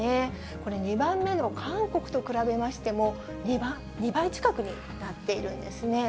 これ、２番目の韓国と比べましても２倍近くになっているんですね。